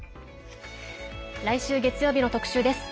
来週月曜日の特集です。